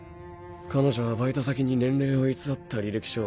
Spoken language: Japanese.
彼女はバイト先に年齢を偽った履歴書を出してた。